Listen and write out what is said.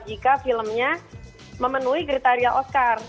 jika filmnya memenuhi kriteria oscar